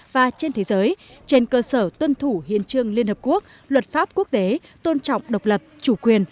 và trên thế giới trên cơ sở tuân thủ hiến trương liên hợp quốc luật pháp quốc tế tôn trọng độc lập chủ quyền